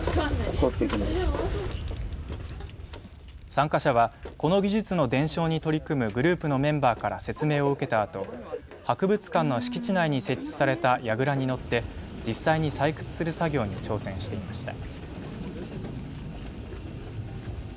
参加者は、この技術の伝承に取り組むグループのメンバーから説明を受けたあと博物館の敷地内に設置されたやぐらに乗って実際に採掘する作業に挑戦していました。